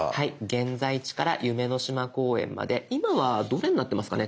「現在地」から「夢の島公園」まで今はどれになってますかね